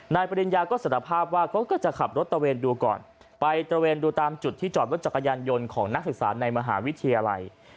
ปริญญาก็สารภาพว่าเขาก็จะขับรถตะเวนดูก่อนไปตระเวนดูตามจุดที่จอดรถจักรยานยนต์ของนักศึกษาในมหาวิทยาลัย